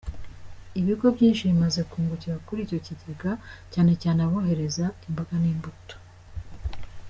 Ibigo byinshi bimaze kungukira kuri icyo kigega, cyane cyane abohereza imboga n’imbuto.